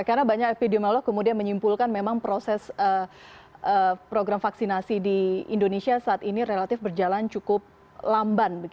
karena banyak epidemiolog kemudian menyimpulkan memang proses program vaksinasi di indonesia saat ini relatif berjalan cukup lamban